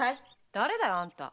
誰だよあんた？